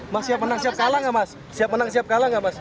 mas siap menang siap kalah nggak mas siap menang siap kalah nggak mas